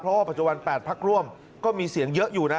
เพราะว่าปัจจุบัน๘พักร่วมก็มีเสียงเยอะอยู่นะ